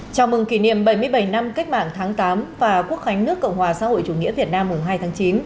chào mừng kỷ niệm bảy mươi bảy năm cách mạng tháng tám và quốc khánh nước cộng hòa xã hội chủ nghĩa việt nam mùng hai tháng chín